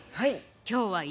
はい。